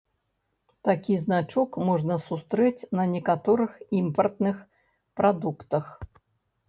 Такі значок можна сустрэць на некаторых імпартных прадуктах.